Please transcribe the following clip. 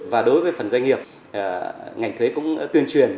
và đối với phần doanh nghiệp ngành thuế cũng tuyên truyền